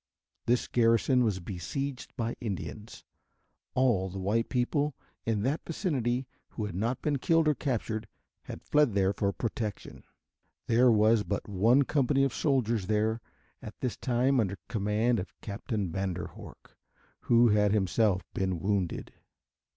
This garrison was besieged by Indians. All the white people in that vicinity who had not been killed or captured had fled there for protection. There was but one company of soldiers there at this time under command of Captain Vanderhorck, who had himself been wounded.